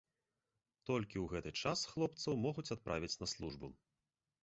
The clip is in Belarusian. Толькі ў гэты час хлопцаў могуць адправіць на службу.